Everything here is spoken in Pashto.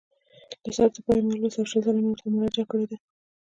له سره تر پایه مې ولوست او شل ځله مې ورته مراجعه کړې ده.